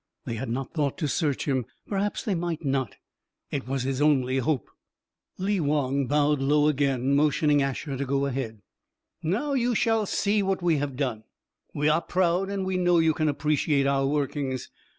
They had not thought to search him perhaps they might not. It was his only hope. Lee Wong bowed low again, motioning Asher to go ahead. "Now you shall see what we have done. We are proud, and we know you can appreciate our workings.